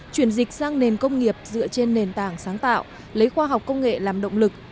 chuyển dịch sang nền công nghiệp dựa trên nền tảng sáng tạo lấy khoa học công nghệ làm động lực